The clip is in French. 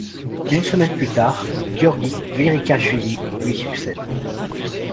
Une semaine plus tard, Guiorgui Kvirikachvili lui succède.